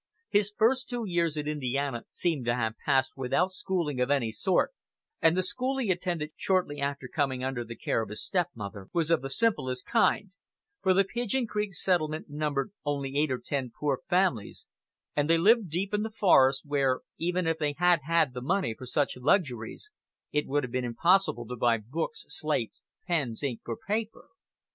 His first two years in Indiana seem to have passed without schooling of any sort, and the school he attended shortly after coming under the care of his stepmother was of the simplest kind, for the Pigeon Creek settlement numbered only eight or ten poor families, and they lived deep in the forest, where, even if they had had the money for such luxuries, it would have been impossible to buy books, slates, pens, ink, or paper.